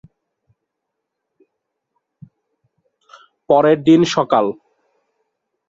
পরের দিন সকাল।